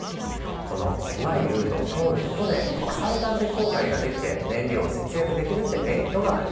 この狭いルートを通ることで最短で航海ができて燃料を節約できるってメリットがある。